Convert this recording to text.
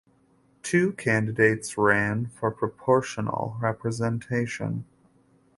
Two candidates ran for proportional representation.